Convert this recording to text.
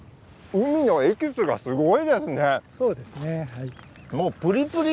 海のエキスがすごいですね。